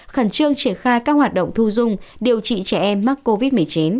khẩn trương triển khai các hoạt động thu dung điều trị trẻ em mắc covid một mươi chín